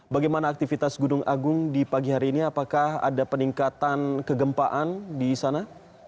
bagaimana aktivitas gunung agung di pagi hari ini apakah ada peningkatan kegempaan di sana